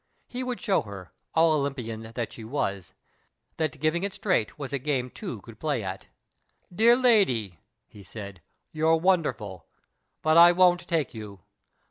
He would sliow her, all Olympian though she was, that giving it straight was a game two could play at. " Dear lady," he said, " you're wonderful. But I won't take you.